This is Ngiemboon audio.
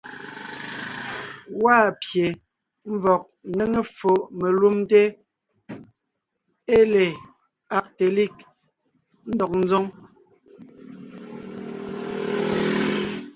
Gwaa pye ḿvɔg ńnéŋe ffo melumte ée le Agtelig ńdɔg ńzoŋ.